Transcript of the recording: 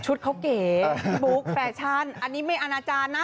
เขาเก๋พี่บุ๊คแฟชั่นอันนี้ไม่อาณาจารย์นะ